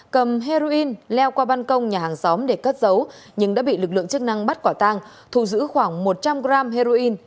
cầm heroin leo qua ban công nhà hàng xóm để cất giấu nhưng đã bị lực lượng chức năng bắt quả tang thù giữ khoảng một trăm linh g heroin